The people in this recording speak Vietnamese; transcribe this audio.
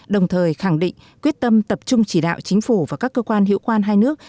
đồng thời khẳng định quyết tâm tập trung chỉ đạo chính phủ và các cơ quan hiệu quan hai nước